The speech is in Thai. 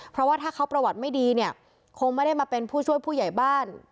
เพราะว่าถ้าเขาประวัติไม่ดีเนี่ยคงไม่ได้มาเป็นผู้ช่วยผู้ใหญ่บ้าน